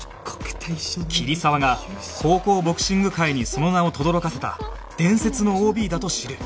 桐沢が高校ボクシング界にその名をとどろかせた伝説の ＯＢ だと知る